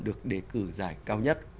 được đề cử giải cao nhất